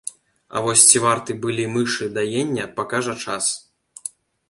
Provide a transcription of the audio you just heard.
А вось ці варты былі мышы даення, пакажа час.